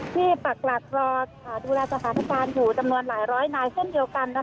ปักหลักรอดูแลสถานการณ์อยู่จำนวนหลายร้อยนายเช่นเดียวกัน